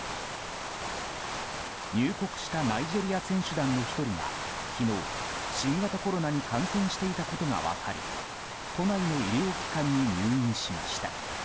入国したナイジェリア選手団の１人が昨日、新型コロナに感染していたことが分かり都内の医療機関に入院しました。